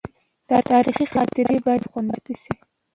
تاریخي خاطرې باید خوندي پاتې شي.